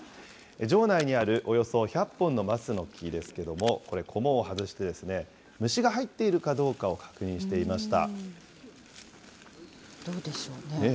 城内にあるおよそ１００本の松の木ですけれども、これ、こもを外して、虫が入っているかどうかを確認していました。